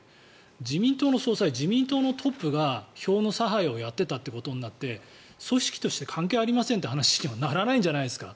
自民党の総裁自民党のトップが票の差配をやっていたということになって組織として関係ありませんという話にはならないんじゃないですか。